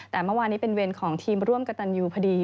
แต่เมื่อวานนี้เป็นเวรของทีมร่วมกับตันยูพอดี